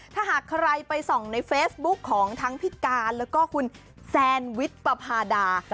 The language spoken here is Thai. ถ้าหากใครไปส่องในเฟซบุ๊คของทั้งพี่การแล้วก็คุณแซนวิชปภาดา